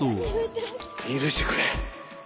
許してくれ。